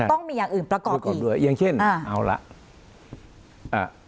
ต้องมีอย่างอื่นประกอบประกอบด้วยอย่างเช่นอ่าเอาละอ่า